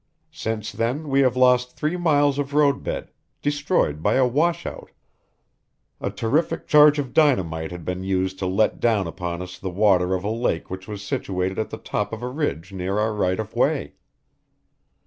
Since then we have lost three miles of road bed, destroyed by a washout. A terrific charge of dynamite had been used to let down upon us the water of a lake which was situated at the top of a ridge near our right of way.